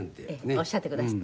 おっしゃってくだすって。